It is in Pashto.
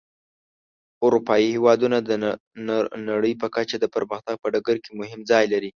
اروپایي هېوادونه د نړۍ په کچه د پرمختګ په ډګر کې مهم ځای لري.